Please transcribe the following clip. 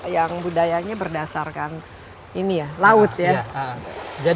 yang budayanya berdasarkan ini ya laut ya